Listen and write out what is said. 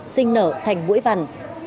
sinh nở thành mũi vằn